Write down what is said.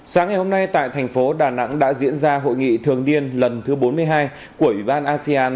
sáng ngày hôm nay tại thành phố đà nẵng đã diễn ra hội nghị thường niên lần thứ bốn mươi hai của ủy ban asean